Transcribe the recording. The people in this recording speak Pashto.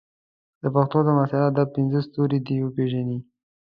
د پښتو د معاصر ادب پنځه ستوري دې وپېژني.